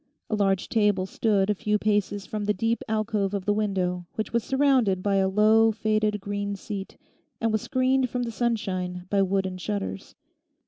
A large table stood a few paces from the deep alcove of the window, which was surrounded by a low, faded, green seat, and was screened from the sunshine by wooden shutters.